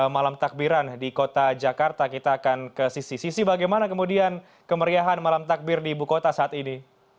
malam takbiran di kota jakarta kita akan ke sisi sisi bagaimana kemudian kemeriahan malam takbir di ibu kota saat ini